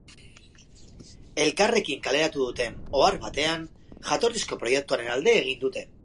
Elkarrekin kaleratu duten ohar batean, jatorrizko proiektuaren alde egin dute.